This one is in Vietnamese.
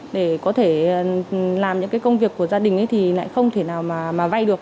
để có thể làm những cái công việc của gia đình thì lại không thể nào mà vay được